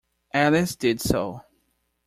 Alice did so.